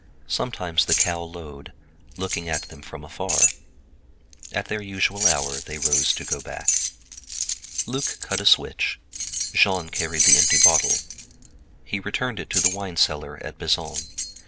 Sometimes the cow lowed, looking at them from afar. At their usual hour they rose to go back. Luc cut a switch. Jean carried the empty bottle to return it to the wine seller at Bezons.